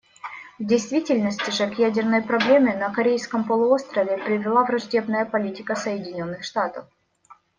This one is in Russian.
В действительности же к ядерной проблеме на Корейском полуострове привела враждебная политика Соединенных Штатов.